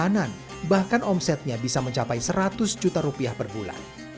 perjalanan bahkan omsetnya bisa mencapai seratus juta rupiah per bulan